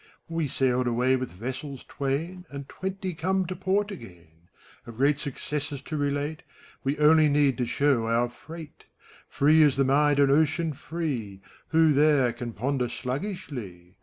228 FAUST. We sailed away with vessels twain, With twenty come to port again. Of great successes to relate. We only need to show our freight. Free is the mind on Ocean free; Who there can ponder sluggishly?